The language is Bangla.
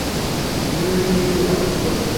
তুই ঠিক আছিস তো?